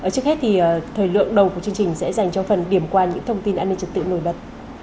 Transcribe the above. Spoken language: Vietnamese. trước hết thì thời lượng đầu của chương trình sẽ dành cho phần điểm qua những thông tin an ninh trật tự nổi bật